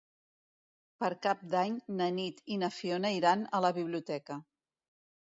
Per Cap d'Any na Nit i na Fiona iran a la biblioteca.